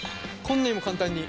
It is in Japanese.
こんなにも簡単に。